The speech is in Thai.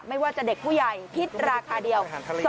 ไม่ว่าจะเด็กผู้ใหญ่คิดราคาเดียว